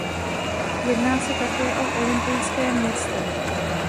Jedná se také o olympijské město.